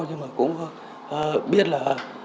nhưng mà cũng biết là